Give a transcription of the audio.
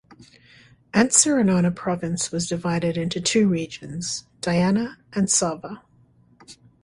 Antsiranana Province was divided into two regions - Diana and Sava.